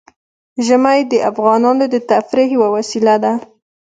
ژمی د افغانانو د تفریح یوه وسیله ده.